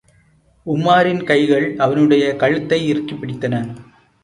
உமாரின் கைகள் அவனுடைய கழுத்தை இறுக்கிப் பிடித்தன.